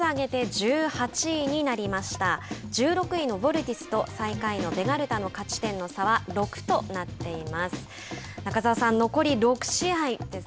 １６位のヴォルティスと最下位のベガルタの勝ち点差は６となっています。